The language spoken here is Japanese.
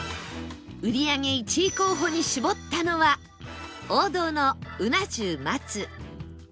売り上げ１位候補に絞ったのは王道のうな重松